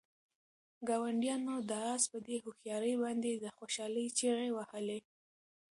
ګاونډیانو د آس په دې هوښیارۍ باندې د خوشحالۍ چیغې وهلې.